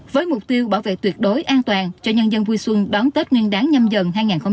với mục tiêu bảo vệ tuyệt đối an toàn cho nhân dân vui xuân đón tết nguyên đáng nhâm dần hai nghìn hai mươi bốn